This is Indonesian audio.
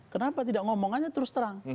kenapa tidak ngomong aja terus terang